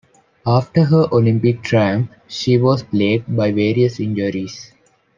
After her Olympic triumph, she was plagued by various injuries.